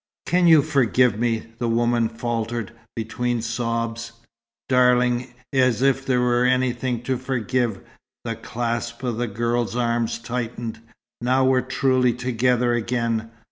"Can you forgive me?" the woman faltered, between sobs. "Darling, as if there were anything to forgive!" The clasp of the girl's arms tightened. "Now we're truly together again.